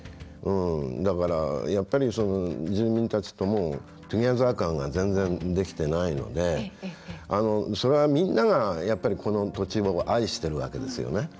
だから、やっぱり住民たちともトゥギャザー感が全然できてないのでそれは、みんながやっぱり、この土地を愛しているわけですよね。